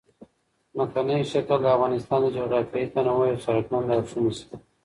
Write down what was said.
ځمکنی شکل د افغانستان د جغرافیوي تنوع یو څرګند او ښه مثال دی.